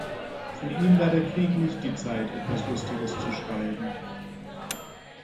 Für ihn war der Krieg nicht die Zeit, etwas Lustiges zu schreiben.